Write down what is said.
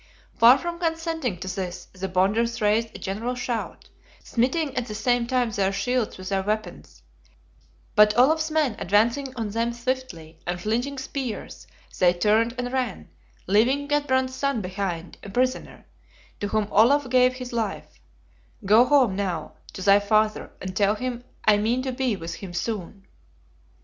Far from consenting to this, the Bonders raised a general shout, smiting at the same time their shields with their weapons; but Olaf's men advancing on them swiftly, and flinging spears, they turned and ran, leaving Gudbrand's son behind, a prisoner, to whom Olaf gave his life: "Go home now to thy father, and tell him I mean to be with him soon."